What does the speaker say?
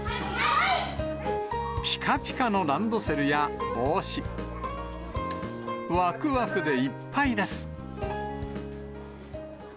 ぴかぴかのランドセルや帽子、わくわくでいっぱいです。